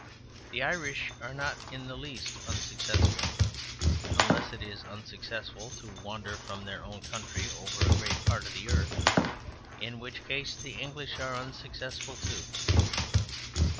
The Irish are not in the least unsuccessful, unless it is unsuccessful to wander from their own country over a great part of the earth, in which case the English are unsuccessful too."